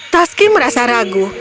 taski merasa ragu